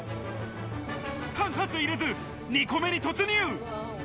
間髪入れず２個目に突入。